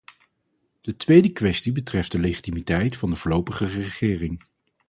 De tweede kwestie betreft de legitimiteit van de voorlopige regering.